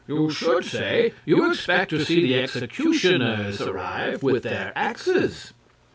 "You should say you expect to see the executioners arrive with their axes."